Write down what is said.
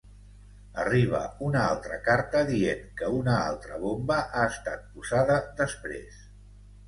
Arriba una altra carta dient que una altra bomba ha estat posada després.